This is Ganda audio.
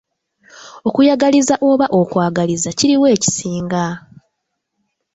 Okuyagaliza oba okwagaliza kiriwa ekisinga?